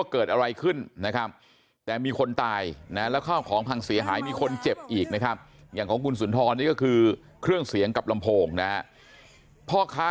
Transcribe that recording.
เกิดอะไรขึ้นนะครับแต่มีคนตายนะแล้วข้าวของพังเสียหายมีคนเจ็บอีกนะครับอย่างของคุณสุนทรนี่ก็คือเครื่องเสียงกับลำโพงนะฮะพ่อค้า